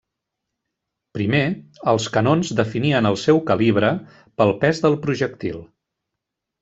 Primer, els canons definien el seu calibre pel pes del projectil.